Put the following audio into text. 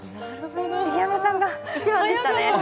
杉山さんが１番でしたね。